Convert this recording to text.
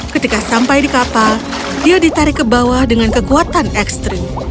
ketika sampai di kapal dia ditarik ke bawah dengan kekuatan ekstrim